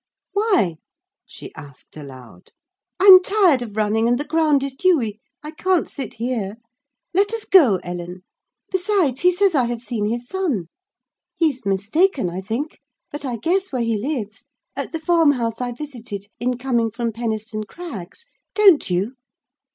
"Why?" she asked, aloud. "I'm tired of running, and the ground is dewy: I can't sit here. Let us go, Ellen. Besides, he says I have seen his son. He's mistaken, I think; but I guess where he lives: at the farmhouse I visited in coming from Penistone Crags. Don't you?"